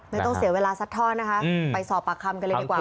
ไม่ต้องเสียเวลาซัดทอดนะคะไปสอบปากคำกันเลยดีกว่า